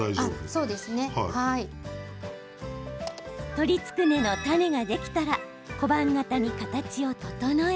鶏つくねのタネができたら小判形に形を整え